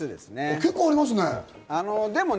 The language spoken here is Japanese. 結構ありますね。